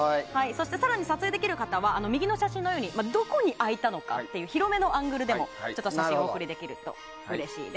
更に、撮影できる方はどこに開いたのかという広めのアングルでも写真をお送りいただくとうれしいです。